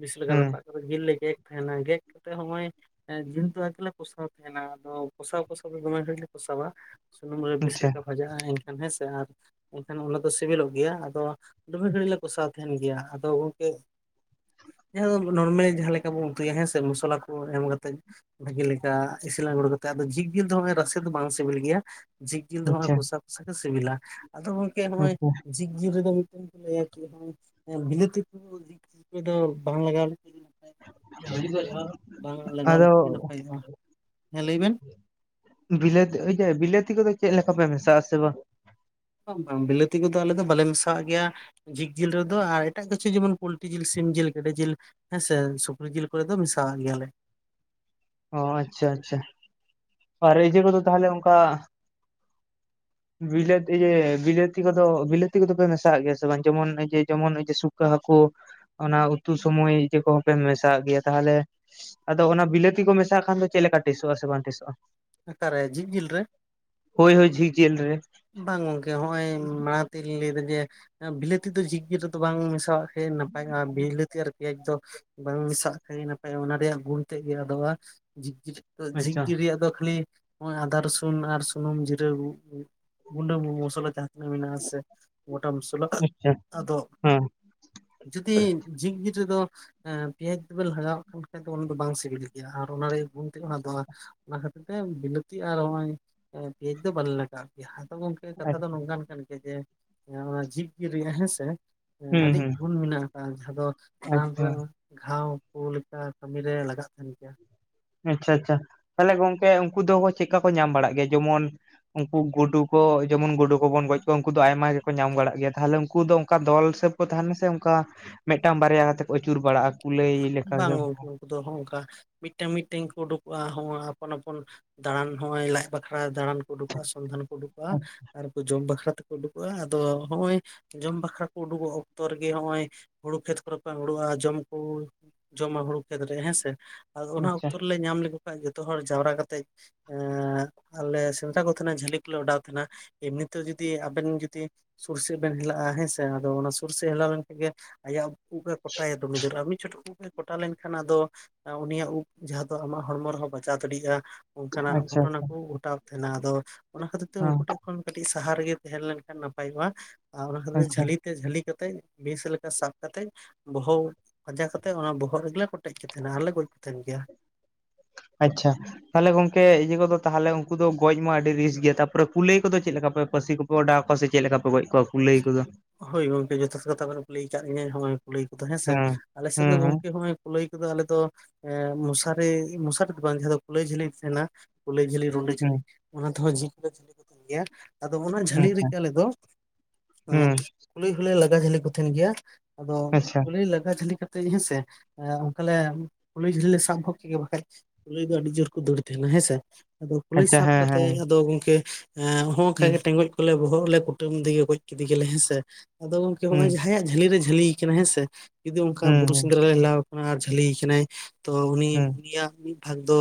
ᱵᱤᱥ ᱞᱮᱠᱟ ᱦᱩᱸ ᱨᱟᱯᱟᱜ ᱠᱟᱛᱮᱜ ᱡᱤᱞ ᱞᱮ ᱜᱮᱫ ᱛᱟᱦᱮᱱᱟ ᱜᱮᱫ ᱠᱟᱛᱮ ᱦᱚᱸᱜᱼᱚᱭ ᱮᱸ ᱡᱤᱞ ᱫᱚ ᱟᱞᱮ ᱜᱮᱞᱮ ᱠᱚᱥᱟᱣ ᱛᱟᱦᱮᱱᱟ, ᱟᱫᱚ ᱠᱚᱥᱟᱣ ᱠᱚᱥᱟᱣ ᱛᱮ ᱫᱚᱢᱮ ᱜᱷᱟᱹᱲᱤᱞᱮ ᱠᱚᱥᱟᱣᱟ ᱾ ᱥᱩᱱᱩᱢ ᱨᱮ ᱵᱮᱥ ᱟᱪᱪᱷᱟ ᱞᱮᱠᱟ ᱵᱷᱟᱡᱟᱜᱼᱟ ᱮᱱᱠᱷᱟᱱ ᱦᱮᱸ ᱥᱮ, ᱟᱨ ᱮᱱᱠᱷᱟᱱ ᱚᱱᱟ ᱫᱚ ᱥᱮᱵᱮᱞᱚᱜ ᱜᱮᱭᱟ ᱾ ᱟᱫᱚ ᱫᱟᱢᱮ ᱜᱷᱟᱹᱲᱤᱡ ᱞᱮ ᱠᱚᱥᱟᱣ ᱛᱟᱦᱮᱱ ᱜᱮᱭᱟ ᱟᱫᱚ ᱜᱚᱝᱠᱮ ᱡᱟᱦᱟᱸ ᱫᱚ ᱱᱚᱨᱢᱮᱞ ᱡᱟᱦᱟᱸ ᱞᱮᱠᱟ ᱵᱚᱱ ᱩᱛᱩᱭᱟ ᱦᱮᱸ ᱥᱮ ᱢᱚᱥᱚᱞᱟ ᱠᱚ ᱮᱢ ᱠᱟᱛᱮ ᱛᱮᱡ ᱵᱷᱟᱹᱜᱮ ᱞᱮᱠᱟ ᱤᱥᱤᱱ ᱟᱲᱜᱚ ᱠᱟᱛᱮᱜ ᱟᱫᱚ ᱡᱷᱤᱠ ᱡᱮᱞ ᱫᱚ ᱦᱚᱜᱼᱚᱭ ᱨᱟᱥᱮ ᱫᱚ ᱵᱟᱝ ᱥᱮᱵᱮᱞ ᱜᱮᱭᱟ ᱾ ᱡᱷᱤᱠᱽ ᱡᱤᱞ ᱫᱚ ᱦᱚᱜᱼᱚᱭ ᱟᱪᱪᱷᱟ ᱠᱚᱥᱟ ᱠᱚᱥᱟ ᱜᱮ ᱥᱮᱵᱮᱞᱟ, ᱟᱫᱚ ᱜᱚᱝᱠᱮ ᱦᱚᱜᱼᱚᱭ ᱟᱪᱪᱷᱟ ᱡᱷᱤᱠᱽ ᱡᱤᱞ ᱨᱮᱫᱚ [unintelligible] ᱠᱚ ᱞᱟᱹᱭᱟ ᱪᱮᱫ ᱦᱚᱸ ᱮᱸ ᱵᱤᱞᱟᱹᱛᱤ ᱠᱚ [unintelligible] ᱵᱟᱝ ᱞᱟᱜᱟᱣ [unintelligible] ᱜᱟᱹᱰᱤ ᱠᱚ ᱪᱟᱞᱟᱣ ᱜᱟᱱᱚᱜ ᱵᱟᱝ ᱛᱮ? ᱞᱟᱜᱟᱣ ᱞᱮᱠᱟᱱ ᱜᱮ ᱱᱟᱯᱟᱭᱚᱜᱼᱟ, ᱦᱮᱸ ᱞᱟᱹᱭ ᱵᱮᱱ? ᱵᱤᱞᱟᱹᱛ ᱤᱭᱟᱹ ᱵᱤᱞᱟᱹᱛᱤ ᱠᱚᱫᱚ ᱪᱮᱜ ᱞᱮᱠᱟ ᱯᱮ ᱢᱮᱥᱟᱜ ᱟᱥᱮ ᱵᱟᱝ? ᱵᱟᱝ, ᱵᱟᱝ ᱵᱤᱞᱟᱹᱛᱤ ᱠᱚᱫᱚ ᱟᱞᱮ ᱫᱚ ᱵᱟᱞᱮ ᱢᱮᱥᱟᱣᱟᱜ ᱜᱮᱭᱟ᱾ ᱡᱷᱤᱠᱽ ᱡᱤᱞ ᱨᱮᱫᱚ ᱟᱨ ᱮᱴᱟᱜ ᱠᱤᱪᱷᱩ ᱡᱮᱢᱚᱱ ᱯᱩᱞᱴᱤ ᱡᱤᱞ ᱥᱤᱢ ᱡᱮᱞ ᱜᱮᱰᱮ ᱡᱮᱞ ᱦᱮᱸ ᱥᱮ ᱥᱩᱠᱨᱤ ᱡᱤᱞ ᱠᱚᱨᱮ ᱫᱚ ᱢᱮᱥᱟᱣᱟᱜ ᱜᱮᱭᱟᱞᱮ᱾ ᱚ, ᱟᱪᱪᱷᱟ ᱟᱪᱪᱷᱟ᱾ ᱟᱨ ᱮᱡᱮ ᱠᱚᱫᱚ ᱛᱟᱦᱚᱞᱮ ᱚᱝᱠᱟ ᱵᱤᱞᱟᱹᱛ ᱤᱭᱟᱹ ᱵᱤᱞᱟᱹᱛᱤ ᱠᱚᱫᱚ ᱵᱤᱞᱟᱹᱛᱤ ᱠᱚᱫᱚ ᱯᱮ ᱢᱮᱥᱟᱜ ᱜᱮᱭᱟ ᱥᱮ ᱵᱟᱝ ᱡᱮᱢᱚᱱ ᱤᱡᱟᱹ ᱡᱮᱢᱚᱱ ᱤᱡᱟᱹ ᱥᱩᱠᱟᱹ ᱦᱟᱹᱠᱳ ᱚᱱᱟ ᱩᱛᱩ ᱥᱚᱢᱚᱭ ᱤᱡᱟᱹ ᱠᱚᱦᱚᱸ ᱯᱮ ᱢᱮᱥᱟᱜ ᱜᱮᱭᱟ ᱛᱟᱦᱚᱞᱮ? ᱟᱫᱚ ᱚᱱᱟ ᱵᱤᱞᱟᱹᱛᱤ ᱠᱚ ᱢᱮᱥᱟᱜ ᱠᱷᱟᱱ ᱫᱚ ᱪᱮᱫ ᱞᱮᱠᱟ ᱴᱮᱥᱚᱜᱼᱟ ᱥᱮ ᱵᱟᱝ ᱴᱮᱥᱚᱜᱼᱟ? ᱟᱠᱟᱨᱮ ᱡᱷᱤᱠᱽ ᱡᱤᱞ ᱨᱮ? ᱦᱳᱭ, ᱦᱳᱭ, ᱡᱷᱤᱠᱽ ᱡᱮᱞ ᱨᱮ᱾ ᱵᱟᱝ ᱜᱚᱝᱠᱮ ᱦᱚᱜᱼᱚᱭ ᱢᱟᱲᱟᱝ ᱛᱤᱧ ᱞᱮᱭᱫᱟ ᱡᱮ ᱵᱤᱞᱟᱹᱛᱤ ᱫᱚ ᱡᱷᱤᱠᱽ ᱡᱮᱞ ᱨᱮᱫᱚ ᱵᱟᱝ ᱢᱮᱥᱟᱣᱟᱜ ᱯᱷᱮ ᱱᱟᱯᱟᱭᱚᱜᱼᱟ ᱵᱤᱞᱟᱹᱛᱤ ᱟᱨ ᱯᱮᱭᱟᱡᱽ ᱫᱚ ᱵᱟᱝ ᱢᱮᱥᱟᱜ ᱠᱷᱟᱡ ᱜᱮ ᱱᱟᱯᱟᱭᱚᱜᱼᱟ, ᱚᱱᱟ ᱨᱮᱭᱟᱜ ᱜᱩᱱ ᱛᱮᱜ ᱜᱮ ᱟᱫᱚᱜᱼᱟ ᱡᱷᱤᱠᱽ ᱡᱤᱞ ᱡᱷᱤᱠᱽ ᱟᱪᱪᱷᱟ ᱡᱤᱞ ᱨᱮᱭᱟᱜ ᱫᱚ ᱠᱷᱟᱹᱞᱤ ᱦᱚᱜᱼᱚᱭ ᱟᱫᱟ ᱨᱚᱥᱩᱱ ᱟᱨ ᱥᱩᱱᱩᱢ ᱡᱤᱨᱟᱹ ᱜᱩᱜ-ᱜᱩᱜ ᱜᱩᱱᱰᱟᱹ ᱢᱩ ᱢᱚᱥᱞᱟ ᱡᱟᱦᱟᱸ ᱛᱤᱱᱟᱹᱜ ᱢᱮᱱᱟᱜᱼᱟ ᱥᱮ ᱜᱚᱴᱟ ᱢᱚᱥᱞᱟ ᱟᱪᱪᱷᱟ ᱟᱫᱚ ᱦᱮᱸ ᱡᱩᱫᱤ ᱡᱷᱤᱠ ᱡᱤᱨ ᱨᱮᱫᱚ ᱦᱮᱸ ᱯᱮᱸᱭᱟᱡᱽ ᱫᱚᱵᱮᱱ ᱞᱟᱜᱟᱣᱟᱜ ᱠᱟᱱ ᱠᱷᱟᱡ ᱫᱚ ᱚᱱᱟ ᱫᱚ ᱵᱟᱝ ᱥᱤᱵᱤᱞ ᱜᱮᱭᱟ ᱟᱨ ᱚᱱᱟ ᱨᱮᱭᱟᱜ ᱜᱩᱱ ᱛᱮᱜ ᱦᱚᱸ ᱟᱫᱚᱜᱼᱟ᱾ ᱚᱱᱟ ᱠᱷᱟᱹᱛᱤᱨ ᱛᱮ ᱵᱤᱞᱟᱹᱛᱤ ᱟᱨ ᱦᱚᱜᱼᱚᱭ ᱯᱮᱸᱭᱟᱡᱽ ᱫᱚ ᱵᱟᱞᱮ ᱞᱟᱜᱟᱣ ᱟᱜ-ᱟ᱾ ᱡᱟᱦᱟᱸ ᱫᱚ ᱜᱚᱝᱠᱮ ᱠᱟᱛᱷᱟ ᱫᱚ ᱱᱚᱝᱠᱟᱱ ᱠᱟᱱ ᱜᱮᱭᱟ ᱡᱮ ᱚᱱᱟ ᱡᱷᱤᱠ ᱡᱮᱞ ᱨᱮᱭᱟᱜ ᱦᱮᱸᱥᱮ, ᱦᱩᱸ ᱟᱹᱰᱤ ᱦᱩᱸ ᱜᱩᱱ ᱢᱮᱱᱟᱜ ᱟᱠᱟᱜᱼᱟ ᱾ ᱡᱟᱦᱟᱸ ᱫᱚ ᱟᱪᱪᱷᱟ ᱨᱟᱱ ᱨᱮ ᱜᱷᱟᱣ ᱠᱚ ᱞᱮᱠᱟ ᱠᱟᱹᱢᱤᱨᱮ ᱞᱟᱜᱟᱜ ᱛᱟᱦᱮᱱ ᱜᱮᱭᱟ᱾ ᱟᱪᱪᱷᱟ, ᱟᱪᱪᱷᱟ, ᱛᱟᱦᱚᱞᱮ ᱜᱚᱝᱠᱮ ᱩᱝᱠᱩ ᱫᱚ ᱪᱮᱜᱠᱟ ᱠᱚ ᱧᱟᱢ ᱵᱟᱲᱟᱜ ᱜᱮᱭᱟ? ᱡᱮᱢᱚᱱ, ᱩᱝᱠᱤ ᱜᱳᱰᱳ ᱠᱚ ᱡᱮᱢᱚᱱ ᱜᱳᱰᱳ ᱠᱚᱵᱚᱱ ᱜᱚᱡ ᱠᱚᱣᱟ ᱩᱝᱠᱩ ᱫᱚ ᱟᱭᱢᱟ ᱜᱮᱠᱚ ᱧᱟᱢ ᱵᱟᱲᱟᱜ ᱜᱮᱭᱟ ᱛᱟᱦᱚᱞᱮ ᱤᱝᱠᱩ ᱫᱚ ᱚᱝᱠᱟ ᱫᱚᱞ ᱦᱤᱥᱟᱹᱵᱽ ᱠᱚ ᱛᱟᱦᱮᱱᱟ ᱥᱮ ᱚᱝᱠᱟ ᱢᱮᱫᱴᱟᱝ ᱵᱟᱨᱭᱟ ᱠᱟᱛᱮ ᱠᱚ ᱟᱹᱪᱩᱨ ᱵᱟᱲᱟᱜᱼᱟ? ᱠᱩᱞᱟᱹᱭ ᱞᱮᱠᱟ ᱵᱟᱝ ᱜᱮ ᱩᱱᱠᱩ ᱜᱚᱝᱠᱮ, ᱩᱝᱠᱩ ᱫᱚ ᱦᱚᱸᱜᱼᱚᱝᱠᱟ ᱢᱤᱫᱴᱟᱝ ᱢᱤᱫᱴᱟᱝ ᱜᱮᱠᱚ ᱩᱰᱩᱠᱚᱜᱼᱟ ᱦᱚᱸᱜᱼᱟ ᱟᱯᱚᱱ ᱟᱯᱚᱱ ᱫᱟᱬᱟᱱ ᱦᱚᱜᱼᱚᱭ ᱞᱟᱡ ᱵᱟᱠᱷᱨᱟ ᱫᱟᱬᱟᱱ ᱠᱚ ᱩᱰᱩᱠᱚᱜᱼᱟ, ᱥᱚᱱᱫᱷᱟᱱ ᱠᱚ ᱩᱰᱩᱠᱚᱜᱼᱟ, ᱟᱪᱪᱷᱟ ᱟᱨ ᱡᱚᱢ ᱵᱟᱠᱷᱨᱟ ᱛᱮᱠᱚ ᱩᱰᱩᱠᱚᱜᱼᱟ, ᱟᱫᱚ ᱦᱚᱸᱜᱼᱚᱭ, ᱡᱚᱢ ᱵᱟᱠᱷᱨᱟ ᱠᱚ ᱩᱰᱩᱠᱚᱜ ᱚᱠᱛᱚ ᱨᱮᱜᱮ ᱦᱚᱜᱼᱚᱭ ᱦᱳᱲᱳ ᱠᱷᱮᱛ ᱠᱚᱨᱮ ᱠᱚ ᱦᱳᱲᱳᱜᱼᱟ ᱡᱚᱢ ᱠᱩ ᱡᱚᱢᱟ ᱦᱳᱲᱳ ᱠᱷᱮᱛᱨᱮ ᱦᱮᱸᱥᱮ, ᱟᱫᱚ ᱚᱱᱟ ᱟᱪᱪᱷᱟ ᱚᱠᱛᱚ ᱨᱮᱞᱮ ᱧᱟᱢ ᱞᱮᱠᱚ ᱠᱷᱟᱡ ᱡᱚᱛᱚ ᱦᱚᱲ ᱡᱟᱣᱨᱟ ᱠᱟᱛᱮᱡ ᱮᱸᱜ ᱟᱞᱮ ᱥᱮᱸᱫᱽᱨᱟ ᱠᱚ ᱛᱟᱦᱮᱱᱟ ᱡᱷᱟᱹᱞᱤ ᱠᱚᱞᱮ ᱚᱰᱟᱣ ᱛᱟᱦᱮᱸᱱᱟ᱾ ᱮᱢᱱᱤᱛᱮ ᱡᱩᱫᱤ ᱟᱵᱮᱱ ᱡᱩᱫᱤ ᱥᱩᱨ ᱥᱮᱜ ᱵᱮᱱ ᱦᱮᱟᱜᱼᱟ ᱦᱮᱸᱥᱮ ᱟᱫᱚ ᱚᱱᱟ ᱥᱩᱨ ᱥᱮᱜ ᱦᱮᱞᱟᱣ ᱞᱮᱝᱠᱷᱟᱡ ᱜᱮ ᱟᱭᱟᱜ ᱩᱵ ᱮ ᱠᱚᱴᱟᱭᱟ ᱫᱚᱢᱮ ᱡᱳᱨ ᱟ ᱩᱵ ᱮ ᱠᱚᱴᱟ ᱞᱮᱱᱠᱷᱟᱱ ᱟᱫᱚ ᱩᱱᱤᱭᱟᱜ ᱩᱵ ᱡᱟᱦᱟᱸ ᱫᱚ ᱟᱢᱟᱜ ᱦᱚᱲᱢᱚ ᱨᱮᱦᱚᱸ ᱵᱟᱪᱟᱣ ᱫᱟᱹᱲᱤᱜᱼᱟ᱾ ᱚᱝᱠᱟᱱᱟᱜ ᱟᱪᱪᱷᱟ ᱜᱷᱚᱴᱚᱱᱟ ᱟᱪᱪᱷᱟ ᱠᱚ ᱜᱷᱚᱴᱟᱜ ᱛᱟᱦᱮᱱᱟ ᱟᱫᱚ ᱚᱱᱟ ᱠᱷᱟᱹᱛᱤᱨ ᱛᱮ ᱦᱮᱸ ᱩᱝᱠᱩ ᱴᱷᱮᱜ ᱠᱷᱚᱱ, ᱠᱟᱹᱴᱤᱡ ᱥᱟᱦᱟ ᱨᱮᱜᱮ ᱛᱟᱦᱮᱸ ᱞᱮᱱᱠᱷᱟᱱ ᱱᱟᱯᱟᱭᱚᱜᱼᱟ ᱟᱨ ᱚᱱᱟ ᱠᱷᱟᱹᱛᱤᱨ ᱟᱪᱪᱷᱟ ᱡᱟᱹᱞᱤ ᱛᱮ ᱡᱷᱟᱹᱞᱤ ᱠᱟᱛᱮᱜ ᱵᱮᱥ ᱞᱮᱠᱟ ᱥᱟᱵ ᱠᱟᱛᱮᱫ ᱵᱚᱦᱚ ᱯᱟᱸᱡᱟ ᱠᱟᱛᱮᱜ ᱚᱱᱟ ᱵᱚᱦᱚᱜ ᱨᱮᱜᱮᱞᱮ ᱠᱚᱴᱮᱡ ᱠᱮ ᱛᱟᱸᱦᱮᱱᱟ ᱟᱨᱞᱮ ᱜᱚᱡ ᱠᱚ ᱛᱟᱸᱦᱮᱱ ᱜᱮᱭᱟ᱾ ᱟᱪᱪᱷᱟ ᱛᱟᱦᱚᱞᱮ ᱜᱚᱝᱠᱮ ᱤᱭᱟᱹ ᱠᱚᱫᱚ ᱛᱟᱦᱚᱞᱮ ᱩᱱᱠᱩ ᱫᱚ ᱜᱚᱡ ᱢᱟ ᱟᱹᱰᱤ ᱨᱤᱠᱥ ᱜᱮᱭᱟ ᱛᱟᱯᱚᱨᱮ ᱠᱩᱞᱟᱹᱭ ᱠᱚᱫᱚ ᱪᱮᱫ ᱞᱮᱠᱟ ᱯᱮ? ᱯᱟᱹᱥᱤ ᱠᱚᱯᱮ ᱚᱰᱟᱣ ᱟᱠᱚᱣᱟ ᱥᱮ ᱪᱮᱫ ᱞᱮᱠᱟ ᱯᱮ ᱜᱚᱡ ᱠᱚᱣᱟ ᱠᱩᱞᱟᱹᱭ ᱠᱚᱫᱚ? ᱦᱳᱭ ᱜᱚᱝᱠᱮ ᱡᱚᱛᱷᱟᱛ ᱠᱟᱛᱷᱟ ᱵᱮᱱ ᱠᱩᱞᱤᱭ ᱠᱟᱫ ᱞᱤᱧᱟᱹ ᱱᱚᱜᱼᱚᱭ ᱠᱩᱞᱟᱹᱭ ᱠᱚᱫᱚ ᱦᱮᱸ ᱥᱮ, ᱟᱞᱮᱥᱮᱫ ᱫᱚ ᱜᱚᱝᱠᱮ ᱦᱚᱸᱚᱭ ᱠᱩᱞᱟᱹᱭ ᱠᱚᱫᱚ ᱟᱞᱮ ᱫᱚ, ᱮ ᱢᱚᱥᱟᱨᱤ ᱢᱚᱥᱟᱨᱤ ᱫᱚ ᱵᱟᱝ ᱡᱟᱦᱟᱸ ᱫᱚ ᱠᱩᱞᱟᱹᱭ ᱡᱷᱟᱹᱞᱤ ᱛᱟᱦᱮᱱᱟ᱾ ᱠᱩᱞᱟᱹᱭ ᱡᱷᱟᱹᱞᱤ ᱨᱩᱰᱟ ᱡᱷᱟᱹᱞᱤ ᱦᱩᱸ ᱚᱱᱟ ᱡᱷᱤᱸᱠ ᱯᱮ ᱡᱷᱟᱹᱞᱤ ᱠᱚ ᱛᱟᱸᱦᱮᱱ ᱜᱮᱭᱟ ᱟᱫᱚ ᱚᱱᱟ ᱦᱩᱸ ᱡᱷᱟᱹᱞᱤ ᱟᱪᱪᱷᱟ ᱨᱮᱜᱮ ᱟᱞᱮ ᱫᱚ᱾ ᱦᱮᱸ ᱦᱩᱸ ᱠᱩᱞᱟᱹᱭ ᱦᱚᱞᱮ ᱞᱟᱜᱟ ᱡᱷᱟᱹᱞᱤ ᱠᱚ ᱛᱟᱦᱮᱸᱱ ᱜᱮᱭᱟ ᱟᱫᱚ ᱟᱪᱪᱷᱟ ᱠᱩᱞᱟᱹᱭ ᱞᱟᱜᱟ ᱡᱷᱟᱹᱞᱤ᱾ ᱠᱟᱡ ᱦᱮᱸᱥᱮ ᱚᱱᱠᱟᱞᱮ ᱠᱩᱞᱟᱹᱭ ᱡᱷᱟᱹᱞᱤᱞᱮ ᱥᱟᱵ ᱵᱷᱚᱜ ᱠᱮᱜᱮ ᱠᱩᱞᱟᱹᱭ ᱫᱚ ᱟᱹᱰᱤ ᱡᱳᱨ ᱠᱚ ᱫᱟᱹᱲ ᱛᱟᱦᱮᱱᱟ ᱦᱮᱸᱥᱮ, ᱟᱫᱚ ᱠᱩᱞᱟᱹᱭ ᱟᱪᱪᱷᱟ ᱥᱟᱵ ᱦᱮᱸ ᱠᱟᱛᱮᱫ ᱦᱮᱸ ᱟᱫᱚ ᱜᱚᱝᱠᱮ ᱦᱮᱸ ᱚᱱᱠᱟ ᱦᱩᱸ ᱜᱮ ᱴᱮᱸᱜᱚᱡ ᱠᱚᱞᱮ ᱵᱚᱦᱚᱜ ᱛᱮᱞᱮ ᱠᱩᱼᱼ ᱠᱩᱴᱟᱹᱢ ᱛᱮᱜᱮ ᱜᱚᱡ ᱠᱮᱫᱮ ᱜᱮᱞᱮ ᱦᱮᱸ ᱥᱮ ᱟᱫᱚ ᱜᱚᱝᱠᱮ ᱦᱚᱸᱜᱼᱚᱭ ᱦᱩᱸ ᱡᱟᱦᱟᱸᱭᱟᱜ ᱡᱟᱹᱞᱤ ᱨᱮ ᱡᱷᱟᱹᱞᱤᱭ ᱠᱟᱱ ᱦᱮᱸ ᱥᱮ, ᱡᱩᱫᱤ ᱚᱱᱠᱟ ᱦᱩᱸ ᱵᱩᱨᱩ ᱦᱩᱸ ᱥᱮᱸᱫᱽᱨᱟᱞ ᱞᱮ ᱦᱮᱞᱟᱶ ᱟᱠᱟᱱᱟ ᱟᱨ ᱡᱷᱟᱹᱞᱤᱭ ᱠᱟᱱᱟᱭ ᱛᱚ ᱩᱱᱤ ᱦᱩᱸ ᱩᱱᱤᱭᱟᱜ, ᱵᱷᱟᱜᱽ ᱫᱚ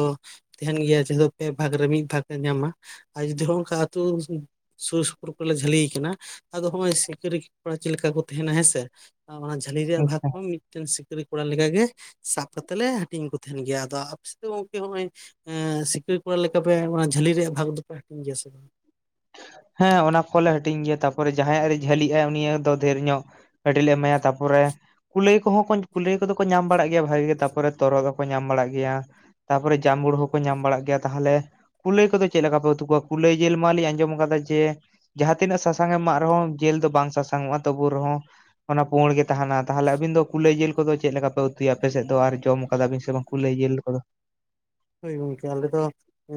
ᱛᱟᱦᱮᱱ ᱜᱮᱭᱟ ᱡᱟᱦᱟᱸᱮ ᱫᱚ ᱯᱮ ᱵᱷᱟᱜᱽ ᱨᱮ ᱢᱤᱫ ᱵᱷᱟᱜᱽ ᱮ ᱧᱟᱢᱟ, ᱟᱨ ᱡᱩᱫᱤ ᱦᱚᱸ ᱚᱱᱠᱟ ᱟᱹᱛᱩ ᱥᱩᱨ ᱥᱩᱯᱩᱨ ᱠᱚᱨᱞᱮ ᱡᱷᱟᱹᱞᱤ, ᱟᱫᱚ ᱦᱚᱸᱜ ᱚᱭ ᱥᱤᱠᱟᱹᱨᱤ ᱠᱚᱲᱟ ᱪᱮᱫ ᱞᱮᱠᱟ ᱠᱚ ᱛᱟᱦᱮᱱᱟ ᱦᱮᱸᱥᱮ ᱚᱱᱟ ᱡᱷᱟᱹᱞᱤ ᱨᱮᱭᱟᱜ ᱟᱪᱪᱷᱟ ᱵᱷᱟᱜᱽ ᱦᱚᱸ ᱢᱤᱫ, ᱢᱤᱫᱴᱮᱱ ᱥᱤᱠᱟᱹᱨᱤ ᱠᱚᱲᱟ ᱞᱮᱠ ᱜᱮ ᱥᱟᱵ ᱠᱟᱛᱮᱜ ᱞᱮ ᱦᱟᱹᱴᱤᱧ ᱠᱚ ᱛᱟᱦᱮᱱ ᱜᱮᱭᱟ ᱟᱫᱚ ᱟᱯᱮ ᱥᱮ ᱫᱚ ᱜᱚᱝᱠᱮ ᱱᱚᱜᱚᱭ᱾ ᱥᱤᱠᱟᱹᱨ ᱠᱚᱲᱟ ᱞᱮᱠᱟ ᱯᱮ ᱚᱱᱟ ᱡᱷᱟᱹᱞᱤ ᱨᱮᱭᱟᱜ ᱵᱷᱟᱜᱽ ᱫᱚᱯᱮ ᱦᱟᱹᱴᱤᱧ ᱜᱮᱭᱟ ᱥᱮ ᱵᱟᱝᱼᱼ ᱦᱮᱸ ᱚᱱᱟ ᱠᱚᱞᱮ ᱦᱟᱹᱴᱤᱧ ᱜᱮᱭᱟ ᱛᱟᱯᱚᱨᱮ ᱡᱟᱦᱟᱸᱟᱭᱟᱜ ᱨᱮ ᱡᱷᱟᱹᱞᱤ-ᱟᱭ ᱩᱱᱤᱭᱟᱜ ᱫᱚ ᱰᱷᱮᱨ ᱧᱚᱜᱼᱼ ᱟᱹᱰᱤ ᱞᱮ ᱮᱢᱟᱭᱟ ᱛᱟᱯᱚᱨᱮ᱾ ᱠᱩᱞᱟᱹᱭ ᱠᱚᱦᱚᱸ ᱠᱚ ᱠᱩᱞᱟᱹᱭ ᱠᱚᱫᱚ ᱠᱚ ᱧᱟᱢ ᱵᱟᱲᱟᱜ ᱜᱮᱭᱟ ᱵᱷᱟᱜᱤ ᱜᱮ ᱛᱟᱨᱯᱚᱨᱮ ᱛᱚᱨᱦᱚᱫ ᱦᱚᱸᱠᱚ ᱧᱟᱢ ᱵᱟᱲᱟᱜ ᱜᱮᱭᱟ᱾ ᱛᱟᱯᱚᱨᱮ ᱡᱟᱢᱵᱩᱲ ᱦᱚᱸᱠᱚ ᱧᱟᱢ ᱵᱟᱲᱟᱜ ᱜᱮᱭᱟ ᱛᱟᱦᱚᱞᱮ ᱠᱩᱞᱟᱹᱭ ᱠᱚᱫᱚ ᱪᱮᱫ ᱞᱮᱠᱟ ᱯᱮ ᱩᱛᱩ ᱠᱚᱣᱟ ᱠᱩᱞᱟᱹᱭ ᱡᱤᱞ ᱢᱟ ᱢᱟᱞᱤᱧ ᱟᱸᱡᱚᱢᱼᱼ ᱠᱟᱫᱟ ᱡᱮ ᱡᱟᱦᱟᱸ ᱛᱤᱱᱟᱹᱜ ᱥᱟᱥᱟᱝ ᱮᱢ ᱮᱢᱟᱜ ᱨᱮᱦᱚᱸ ᱡᱤᱞ ᱫᱚ ᱵᱟᱝ ᱥᱟᱥᱟᱝ ᱚᱜᱼᱟ ᱛᱚᱵᱩ ᱨᱮᱦᱚᱸ᱾ ᱚᱱᱟ ᱯᱩᱸᱲ ᱜᱮ ᱛᱟᱸᱦᱮᱱᱟ ᱛᱟᱦᱚᱞᱮ ᱟᱵᱤᱱ ᱫᱚ ᱠᱩᱞᱟᱹᱭ ᱡᱤᱞ ᱠᱚᱫᱚ ᱪᱮᱫ ᱞᱮᱠᱟ ᱯᱮ ᱩᱛᱩᱭᱟ ᱟᱯᱮ ᱥᱮᱫ ᱫᱚ ᱟᱨ ᱡᱚᱢ ᱠᱟᱫᱟ ᱵᱤᱱ ᱥᱮ ᱵᱟᱝ? ᱠᱩᱞᱟᱹᱭ ᱡᱮᱞ ᱠᱚᱫᱚ᱾ ᱦᱚᱳ ᱜᱚᱝᱠᱮ ᱟᱞᱮ ᱫᱚ ᱩ,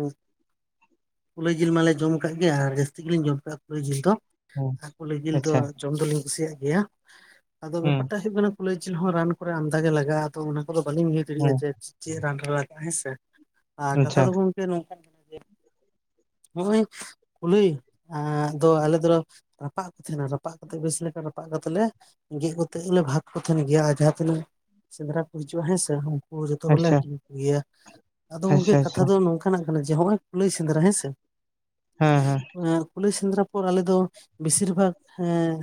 ᱠᱩᱞᱟᱹᱭ ᱡᱤᱞ ᱢᱟᱞᱮ ᱡᱚᱢ ᱠᱟᱜ ᱜᱮᱭᱟ ᱟᱨ ᱡᱟᱹᱥᱛᱤ ᱜᱮᱞᱮᱧ ᱡᱚᱢ ᱠᱟᱜᱼᱟ ᱠᱩᱞᱟᱹᱭ ᱡᱤᱞ ᱫᱚ᱾ ᱦᱩᱸ ᱠᱩᱞᱟᱹᱭ ᱡᱤᱞ ᱫᱚ ᱟᱪᱪᱷᱟ ᱡᱚᱢ ᱫᱚᱞᱤᱧ ᱠᱩᱥᱤᱭᱟᱜ ᱜᱮᱭᱟ ᱟᱫᱚ ᱦᱩᱸ ᱵᱮᱯᱟᱨᱴᱟᱜ ᱦᱩᱭᱩᱜ ᱠᱟᱱᱟᱼᱼ ᱠᱩᱞᱟᱹᱭ ᱡᱤᱞ ᱦᱚᱸ ᱨᱟᱱ ᱠᱚᱨᱮ ᱟᱢᱫᱟ ᱜᱮ ᱞᱟᱜᱟᱜᱼᱟ ᱟᱫᱚ ᱚᱱᱟ ᱠᱚᱫᱚ ᱵᱟᱹᱞᱤᱧ ᱞᱟᱹᱭ ᱫᱟᱲᱮᱭᱟᱜᱼᱟ ᱦᱩᱸ ᱡᱮ ᱪᱮᱫ ᱨᱟᱱ ᱨᱮ ᱞᱟᱜᱟᱜᱼᱟ ᱦᱮᱸ ᱥᱮ᱾ ᱟᱨ ᱟᱪᱪᱷᱟ ᱠᱟᱛᱷᱟ ᱫᱚ ᱜᱚᱢᱚᱝᱠᱮ ᱱᱚᱝᱠᱟ ᱠᱟᱱᱟ ᱡᱮ ᱱᱚᱜᱼᱚᱭ, ᱠᱩᱞᱦᱟᱹᱭ ᱫᱚ ᱟᱞᱮ ᱫᱚᱞᱮ ᱨᱟᱯᱟᱜ ᱠᱚ ᱛᱟᱦᱮᱸᱱᱟ ᱨᱟᱯᱟᱜ ᱠᱟᱛᱮ ᱵᱮᱥ ᱞᱮ ᱞᱮᱠᱟ ᱨᱟᱯᱟᱜ ᱠᱟᱛᱮ ᱞᱮ᱾ ᱜᱮᱫ ᱠᱟᱛᱮᱜ ᱜᱮᱞᱮ ᱵᱷᱟᱜ ᱠᱚ ᱛᱟᱦᱮᱱ ᱜᱮᱭᱟ ᱟᱨ ᱡᱟᱦᱟᱸ ᱛᱤᱱᱟᱹᱜ ᱥᱮᱸᱫᱽᱨᱟ ᱠᱚ ᱦᱤᱡᱩᱜᱼᱟ ᱦᱮᱸᱥᱮᱼᱼ ᱡᱚᱛᱚ ᱦᱚᱲᱞᱮ ᱟᱪᱪᱷᱟ ᱦᱟᱹᱴᱤᱧ ᱠᱚᱜᱮᱭᱟ ᱟᱫᱚ ᱜᱚᱝᱠᱮ ᱟᱪᱪᱷᱟ ᱠᱟᱛᱷᱟ ᱟᱪᱪᱷᱟ ᱫᱚ ᱱᱚᱝᱠᱟᱼᱼᱼ ᱱᱚᱝᱠᱟᱱᱟ ᱡᱮ ᱱᱚᱜᱚᱭ ᱠᱩᱞᱟᱹᱭ ᱥᱮᱸᱫᱽᱨᱟ ᱦᱮᱸ ᱥᱮᱼᱼᱼ ᱦᱩᱸ ᱦᱩᱸ ᱮᱸᱠᱩᱞᱟᱹᱭ ᱥᱮᱸᱫᱽᱨᱟ ᱯᱚᱨ ᱟᱞᱮ ᱫᱚ ᱵᱮᱥᱤᱨ ᱵᱷᱟᱜ ᱮᱸᱼᱼᱼ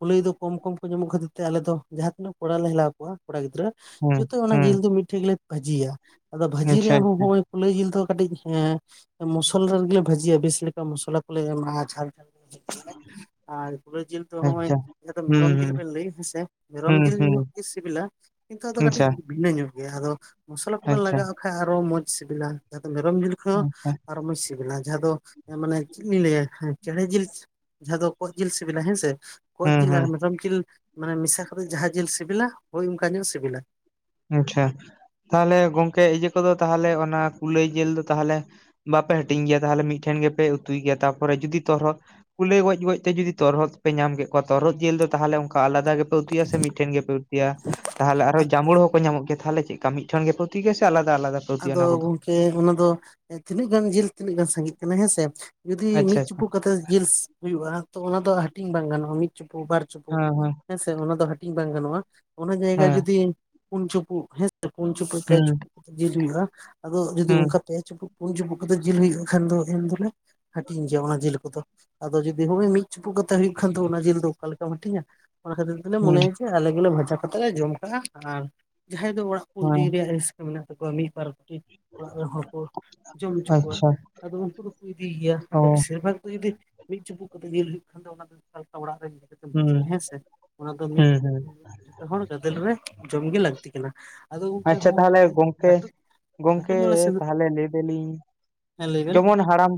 ᱠᱩᱞᱟᱹᱭ ᱫᱚ ᱠᱚᱢ ᱠᱚᱢ ᱠᱚ ᱧᱟᱢᱚᱜ ᱠᱷᱟᱹᱛᱤᱨ ᱛᱮ ᱟᱞᱮ ᱫᱚ ᱡᱟᱦᱟᱸ ᱛᱤᱱᱟᱹᱜ ᱠᱚᱲᱟ ᱞᱮ ᱦᱮᱞᱟᱣᱟ ᱠᱚᱣᱟ ᱠᱚᱲᱟ ᱜᱤᱫᱽᱨᱟᱹ᱾ ᱡᱚᱛᱚ ᱚᱱᱟ ᱡᱤᱞ ᱫᱚ ᱢᱤᱫᱴᱷᱮᱡ ᱜᱮᱞᱮ ᱵᱷᱟᱹᱡᱤᱭᱟ ᱟᱫᱚ ᱵᱷᱟᱹᱡᱤ ᱨᱮᱭᱟᱜ ᱦᱚᱸ ᱦᱚᱸᱜᱼᱚᱭᱼᱼ ᱠᱩᱞᱟᱹᱭ ᱡᱤᱞ ᱫᱚ ᱠᱟᱹᱴᱤᱡ ᱮᱸ ᱢᱚᱥᱞᱟ ᱨᱮᱜᱮ ᱵᱷᱟᱹᱡᱤᱼᱟ ᱵᱮᱥ ᱞᱮᱠᱟ ᱢᱚᱥᱞᱟ ᱠᱚᱞᱮ ᱮᱢᱟᱜᱼᱟ ᱡᱷᱟᱞ ᱡᱷᱟᱞ᱾ ᱞᱮ ᱵᱷᱟᱹᱡᱤᱭᱟ [inaudible] ᱟᱨ ᱠᱩᱞᱟᱹᱭ ᱡᱤᱞ ᱫᱚ ᱦᱚᱜᱚᱭᱼᱼ ᱡᱟᱦᱟᱸ ᱫᱚ ᱢᱮᱨᱚᱢ ᱡᱤᱞ ᱵᱤᱱ ᱞᱟᱹᱭ ᱫᱟ ᱦᱮᱸ ᱢᱮᱨᱚᱢ ᱡᱤᱞ ᱧᱚᱜ ᱥᱤᱵᱤᱞᱟ ᱠᱤᱱᱛᱩ ᱟᱫᱚ ᱠᱟᱹᱴᱤᱡᱼᱼᱼ ᱟᱪᱪᱷᱟ, ᱵᱷᱤᱱᱟᱹ ᱧᱚᱜ ᱜᱮᱭᱟ ᱟᱫᱚ ᱢᱚᱥᱞᱟ ᱠᱚᱵᱮᱱ ᱟᱪᱪᱷᱟ, ᱞᱟᱜᱟᱣᱟᱜ ᱠᱷᱟᱱᱡ ᱟᱨᱚ ᱢᱚᱸᱡᱽ ᱥᱤᱵᱤᱞᱟ ᱟᱫᱚ ᱢᱮᱨᱚᱢ ᱡᱤᱞᱼᱼ ᱦᱚᱸ ᱟᱪᱪᱷᱟ, ᱢᱚᱡᱽ ᱥᱤᱵᱤᱞᱟ ᱡᱟᱦᱟᱸ ᱫᱚ ᱢᱟᱱᱮ ᱪᱮᱫ ᱤᱧ ᱞᱟᱹᱭᱟ ᱦᱮᱸᱼᱼ ᱪᱮᱬᱮ ᱡᱤᱞ ᱡᱟᱦᱟᱸ ᱫᱚ ᱠᱚᱜ ᱡᱤᱞ ᱥᱤᱵᱤᱞᱼᱟ ᱦᱮᱸᱥᱮ ᱠᱚᱜ ᱦᱩᱸ, ᱡᱤᱞ ᱟᱨ ᱦᱩᱸ, ᱢᱮᱨᱚᱢ ᱡᱤᱞᱼᱼ ᱢᱟᱱᱮ ᱢᱮᱥᱟ ᱠᱟᱛᱮᱫ ᱡᱟᱦᱟᱸ ᱡᱤᱞ ᱥᱤᱵᱤᱞᱟ ᱦᱳᱭ ᱚᱱᱠᱟ ᱧᱚᱜ ᱥᱤᱵᱤᱞᱟ᱾ ᱟᱪᱪᱷᱟ ᱛᱟᱦᱚᱞᱮ ᱜᱚᱝᱠᱮ ᱤᱭᱟᱹ ᱠᱚᱫᱚ ᱛᱟᱦᱚᱞᱮ ᱚᱱᱟ ᱠᱩᱞᱟᱹᱭ ᱡᱤᱞ ᱫᱚ ᱛᱟᱦᱚᱞᱮᱼᱼ ᱵᱟᱯᱮ ᱦᱟᱹᱴᱤᱧ ᱜᱮᱭᱟ ᱛᱟᱦᱚᱞᱮ ᱢᱤᱫᱴᱷᱮᱱ ᱜᱮᱯᱮ ᱩᱛᱩᱭ ᱜᱮᱭᱟ ᱛᱟᱨᱚᱨᱮ ᱡᱩᱫᱤ ᱛᱚᱨᱦᱚᱫᱼᱼ ᱠᱩᱞᱟᱹᱭ ᱜᱚᱡ ᱜᱚᱡ ᱛᱮ ᱡᱩᱫᱤ ᱛᱚᱨᱦᱚᱫ ᱯᱮ ᱧᱟᱢ ᱠᱮᱫ ᱠᱚᱣᱟ ᱛᱚᱨᱦᱚᱫ ᱡᱤᱞ ᱫᱚ ᱛᱟᱦᱚᱞᱮ ᱚᱱᱠᱟ ᱟᱞᱟᱫᱟ ᱜᱮᱼᱼᱼ ᱮ ᱩᱛᱩᱭᱟ ᱥᱮ ᱢᱤᱫᱴᱷᱮᱱ ᱜᱮᱯᱮ ᱩᱛᱩᱭᱟ ᱛᱟᱦᱮ ᱟᱨᱦᱚ ᱟᱨ ᱡᱟᱢᱩᱲᱩ ᱦᱚᱸᱼᱼᱼ ᱠᱚ ᱧᱟᱢᱚᱜ ᱜᱮᱭᱟ ᱛᱟᱦᱚᱞᱮ ᱪᱮᱫ ᱞᱮᱠᱟ ᱢᱤᱫᱴᱷᱮᱡ ᱜᱮ ᱯᱮ ᱩᱛᱩᱭ ᱜᱮᱭᱟ ᱥᱮ ᱟᱞᱟᱫᱟ ᱟᱞᱟᱫᱟ ᱯᱮ ᱩᱛᱩᱭᱟ ᱟᱫᱚ ᱚᱱᱟ ᱠᱚᱫᱚ? ᱜᱚᱝᱠᱮ ᱚᱱᱟ ᱫᱚ ᱛᱤᱱᱟᱹᱜ ᱜᱟᱱ ᱡᱤᱞ ᱛᱤᱱᱟᱹᱜ ᱜᱟᱱ ᱥᱟᱸᱜᱤᱜ ᱠᱟᱱᱟ ᱦᱮᱸᱥᱮ ᱡᱩᱫᱤ ᱟᱪᱪᱷᱟ, ᱢᱤᱫ ᱟᱪᱪᱷᱟ᱾ ᱪᱩᱯᱩᱫ ᱠᱟᱛᱮᱫ ᱡᱤᱞᱥ ᱦᱩᱭᱩᱜᱼᱟ, ᱚᱱᱟᱫᱚ ᱦᱟᱹᱞᱴᱤᱧ ᱵᱟᱝ ᱜᱟᱱᱚᱜᱼᱟ ᱢᱤᱫ ᱪᱩᱯᱩᱫ ᱵᱟᱨᱼᱼ ᱪᱩᱯᱩᱫ ᱦᱮᱸ, ᱦᱮᱸᱥᱮ ᱚᱱᱟ ᱫᱚ ᱦᱟᱹᱴᱤᱧ ᱵᱟᱝ ᱜᱟᱱᱚᱜᱼᱟ, ᱚᱱᱟ ᱡᱟᱭᱜᱟ ᱦᱮᱸ, ᱡᱩᱫᱤ ᱯᱩᱱ ᱪᱩᱯᱩᱜ ᱦᱮᱸ ᱯᱩᱱ ᱪᱩᱯᱩᱫ ᱯᱮ ᱦᱮᱸ, ᱪᱩᱯᱩᱫ ᱡᱤᱞ ᱦᱩᱭᱩᱜᱼᱟ ᱟᱫᱚ ᱡᱩᱫᱤ ᱦᱮᱸ, ᱚᱱᱠᱟ ᱯᱮ ᱪᱩᱯᱩ ᱯᱩᱱ ᱪᱩᱯᱩᱫ ᱠᱟᱛᱮ ᱡᱤᱞ ᱦᱩᱭᱩᱜᱼᱟ ᱠᱷᱟᱱ ᱫᱚ ᱮᱱ ᱫᱚᱞᱮᱼᱼ ᱦᱟᱹᱴᱤᱧ ᱜᱮᱭᱟ ᱚᱱᱟ ᱡᱤᱞ ᱠᱚᱫᱚ ᱟᱫᱚ ᱡᱩᱫᱤ ᱦᱚᱸᱜᱼᱚᱭ ᱢᱤᱫ ᱪᱩᱯᱩᱜ ᱠᱟᱛᱮᱜ ᱦᱩᱭᱩᱜ ᱠᱷᱟᱱ ᱚᱱᱟ ᱡᱤᱞ ᱫᱚ ᱚᱠᱟ ᱞᱮᱠᱟᱢ ᱦᱟᱹᱴᱤᱧᱟ ᱚᱱᱟ ᱠᱷᱟᱹᱛᱤᱨ ᱛᱮᱞᱮ ᱦᱮᱸ, ᱢᱚᱱᱮᱭᱟ ᱟᱞᱮ ᱜᱮᱞᱮ ᱵᱷᱟᱡᱟ ᱠᱟᱛᱮ ᱞᱮ ᱡᱚᱢ ᱠᱟᱜᱼᱟ ᱟᱨ ᱡᱟᱦᱟᱸᱭ ᱫᱚ ᱚᱲᱟᱜ ᱠᱚ ᱦᱮᱸ, ᱤᱫᱤ ᱦᱮᱸ, ᱨᱮᱭᱟᱜ ᱨᱟᱹᱥᱠᱟᱹ ᱢᱮᱱᱟᱜ ᱛᱟᱠᱚᱣᱟ ᱢᱤᱫ ᱵᱟᱨᱼᱼᱼ ᱚᱲᱟᱜ ᱨᱮᱱ ᱦᱚᱲᱚᱸ ᱠᱚ ᱡᱚᱢ ᱦᱚᱪᱚ ᱠᱚᱣᱟ ᱟᱪᱪᱷᱟ, ᱟᱫᱚ ᱩᱱᱠᱩ ᱫᱚᱠᱚ ᱤᱫᱤᱭ ᱜᱮᱭᱟ ᱚ᱾ ᱟᱫᱚ ᱵᱮᱥᱤᱨ ᱵᱷᱟᱜ ᱫᱚ ᱡᱩᱫᱤᱼᱼᱼ ᱢᱤᱫ ᱪᱩᱯᱩᱫ ᱠᱟᱛᱮ ᱡᱤᱞ ᱦᱩᱭᱩᱜ ᱠᱷᱟᱱ ᱫᱚ ᱚᱱᱟ ᱫᱚ ᱚᱲᱟᱜ ᱨᱮ ᱤᱫᱤ ᱠᱟᱛᱮ ᱦᱩᱸ ᱵᱷᱟᱹᱡᱤᱭᱟ ᱦᱮᱸᱥᱮ ᱚᱱᱟ ᱫᱚ ᱢᱤᱫ ᱦᱩᱸ ᱦᱩᱸ ᱡᱚᱛᱚ ᱦᱚᱲ ᱜᱟᱫᱮᱞ ᱨᱮ ᱡᱚᱢᱜᱮ ᱞᱟᱹᱠᱛᱤ ᱠᱟᱱᱟ ᱟᱫᱚ ᱜᱚᱝᱠᱮ ᱟᱪᱪᱷᱟ ᱦᱚᱜᱼᱚᱝᱠᱟ ᱛᱟᱦᱚᱞᱮ ᱡᱩᱫᱤᱼᱼ ᱜᱚᱝᱠᱮ ᱛᱟᱦᱚᱞᱮ ᱞᱟᱹᱭ ᱫᱟᱹᱞᱤᱧ ᱦᱮᱸ ᱞᱟᱹᱭ ᱵᱮᱱ ᱡᱮᱢᱚᱱ ᱦᱟᱲᱟᱢᱼᱼᱼ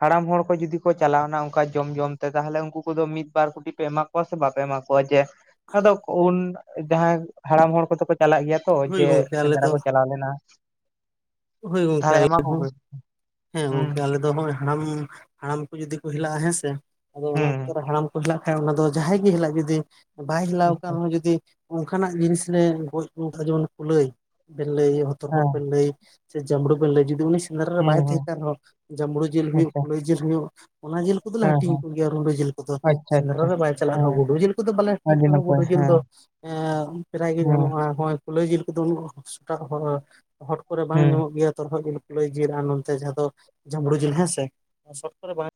ᱦᱟᱲᱟᱢ ᱦᱚᱲ ᱠᱚ ᱡᱩᱫᱤ ᱠᱚ ᱪᱟᱞᱟᱣᱱᱟ ᱚᱱᱠᱟ ᱡᱚᱢ ᱡᱚᱢ ᱛᱮ ᱛᱟᱦᱚᱞᱮ ᱩᱱᱠᱩ ᱠᱚᱫᱚ ᱢᱤᱫ ᱵᱟᱨ ᱠᱩᱴᱤ ᱯᱮ ᱮᱢᱟ ᱠᱚᱣᱟ ᱥᱮ ᱵᱟᱯᱮ ᱮᱢᱟ ᱠᱚᱣᱟ ᱡᱮᱼᱼ ᱟᱫᱚ ᱩᱱ ᱡᱟᱦᱟᱸᱭ ᱦᱟᱲᱟᱢ ᱦᱚᱲ ᱠᱚᱫᱚ ᱠᱚ ᱪᱟᱞᱟᱜ ᱜᱮᱭᱟ ᱛᱚ ᱦᱳᱭ ᱡᱮ ᱜᱚᱝᱠᱮ ᱟᱞᱮ ᱥᱮᱸᱫᱽᱨᱟ ᱫᱚ ᱠᱚ ᱪᱟᱞᱟᱣ ᱞᱮᱱᱟ ᱦᱳᱭ ᱜᱚᱝᱠᱮ ᱛᱟᱦᱚᱞᱮ ᱟᱞᱮ ᱮᱢᱟ ᱠᱚᱜᱮ ᱦᱚᱸ ᱦᱮᱸ ᱦᱩᱸ ᱜᱚᱝᱠᱮ ᱟᱞᱮ ᱫᱚ ᱦᱚᱸᱜᱼᱚᱭ ᱦᱟᱲᱟᱢ ᱦᱟᱲᱟᱢ ᱠᱚ ᱡᱩᱫᱤ ᱠᱚ ᱦᱮᱞᱟᱜᱼᱟ ᱦᱮᱸ ᱥᱮ ᱟᱫᱚ ᱚᱱᱟ ᱚᱠᱛᱚ ᱦᱩᱸ ᱨᱮ ᱦᱟᱲᱟᱢ ᱠᱚ ᱦᱮᱞᱟᱜ ᱠᱷᱟᱡ ᱚᱱᱟ ᱫᱚ ᱡᱟᱦᱟᱸᱭ ᱜᱮ ᱦᱮᱞᱟᱜ ᱡᱩᱫᱤ ᱵᱟᱭ ᱦᱮᱞᱟᱣ ᱟᱪᱪᱷᱟ ᱟᱠᱟᱱ ᱨᱮᱦᱚᱸ ᱡᱩᱫᱤ ᱚᱱᱠᱟᱱᱟᱜ ᱡᱤᱱᱤᱥ ᱞᱮ ᱜᱚᱡ ᱠᱚᱠᱷᱟᱡ ᱡᱮᱢᱚᱱ ᱠᱩᱞᱟᱹᱭ ᱵᱮᱱ ᱞᱟᱹᱭ ᱛᱚᱨᱦᱚᱫ ᱦᱮᱸ ᱵᱮᱱ ᱞᱟᱹᱭ ᱥᱮ ᱡᱟᱸᱵᱽᱲᱩ ᱵᱮᱱ ᱞᱟᱹᱭ ᱡᱩᱫᱤ ᱩᱱᱤ ᱥᱮᱸᱫᱽᱨᱟ ᱨᱮ ᱦᱩᱸ ᱵᱟᱭ ᱛᱟᱦᱮᱸ ᱦᱩᱸ ᱠᱟᱱ ᱨᱮᱦᱚᱸ ᱡᱟᱸᱵᱽᱲᱩ ᱡᱤᱞ ᱦᱩᱭᱩᱜ ᱟᱪᱪᱷᱟ ᱠᱩᱞᱟᱹᱭ ᱦᱩᱭᱩᱜ ᱚᱱᱟ ᱡᱤᱞ ᱠᱩ ᱫᱚᱞᱮ ᱦᱮᱸ ᱦᱟᱹᱴᱤᱧ ᱦᱮᱸ ᱟᱠᱚ ᱜᱮᱭᱟ ᱨᱩᱸᱰᱟᱹ ᱡᱤᱞ ᱠᱚᱫᱚ ᱟᱪᱪᱷᱟ ᱥᱮᱸᱫᱽᱨᱟ ᱟᱪᱪᱷᱟ ᱨᱮ ᱵᱟᱭ ᱪᱟᱞᱟᱜ ᱨᱮᱦᱚᱸ ᱦᱮᱸ ᱜᱩᱰᱩ ᱡᱤᱞ ᱵᱟᱞᱮ ᱦᱟᱹᱴᱤᱧ ᱟᱹᱰᱤ ᱠᱚᱦᱚᱸ ᱱᱟᱯᱟᱭ ᱜᱩᱰᱩ ᱡᱤᱞ ᱦᱮᱸ ᱫᱚᱼᱼ ᱮ ᱯᱨᱟᱭ ᱜᱮ ᱦᱮᱸ ᱧᱟᱢᱚᱜᱼᱟ ᱦᱳᱭ ᱠᱩᱞᱟᱹᱭ ᱡᱤᱞ ᱠᱚᱫᱚ ᱩᱱᱟᱹᱜ ᱥᱮᱴᱟᱜ ᱦᱚᱲ ᱠᱚᱨᱮ ᱵᱟᱝ ᱦᱮᱸ ᱧᱟᱢᱚᱜ ᱜᱮᱭᱟ ᱛᱚᱨᱦᱚᱫ ᱡᱤᱞ ᱠᱩᱞᱟᱹᱭ ᱡᱤᱞ ᱟᱨ ᱱᱚᱱᱛᱮ ᱡᱟᱦᱟᱸ ᱫᱚ ᱡᱷᱟᱸᱵᱽᱲᱩ ᱡᱤᱞ ᱦᱮᱸᱥᱮ ᱥᱚᱢ ᱠᱚᱨᱮ ᱵᱟᱝ